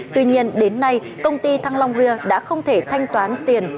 tuy nhiên đến nay công ty thăng long ria đã không thể thanh toán tiền